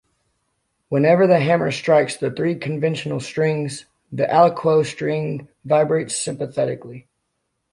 Whenever the hammer strikes the three conventional strings, the aliquot string vibrates sympathetically.